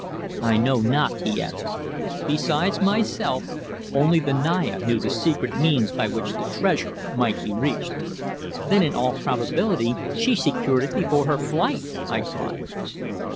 "I know not," he answered. "Besides myself only the Naya knew the secret means by which the treasure might be reached." "Then in all probability she secured it before her flight!" I cried.